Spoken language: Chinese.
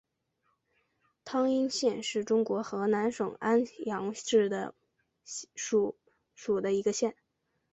汤阴县是中国河南省安阳市下属的一个县。